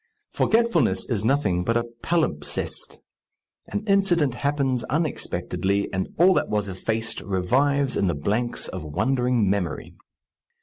Forgetfulness is nothing but a palimpsest: an incident happens unexpectedly, and all that was effaced revives in the blanks of wondering memory.